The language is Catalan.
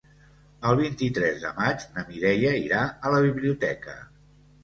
El vint-i-tres de maig na Mireia irà a la biblioteca.